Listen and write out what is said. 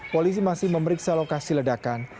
polisi masih memeriksa lokasi ledakan